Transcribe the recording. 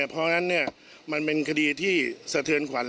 เพราะฉะนั้นมันเป็นคดีที่สะเทือนขวัญ